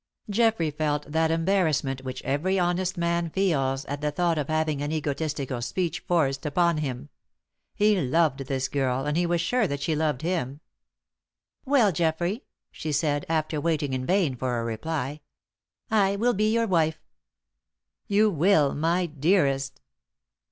Geoffrey felt that embarrassment which every honest man feels at the thought of having an egotistical speech forced upon him. He loved this girl, and he was sure that she loved him. "Well, Geoffrey," she said, after waiting in vain for a reply, "I will be your wife." "You will My dearest!"